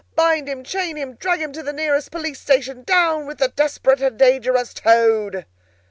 Bind him, chain him, drag him to the nearest police station! Down with the desperate and dangerous Toad!"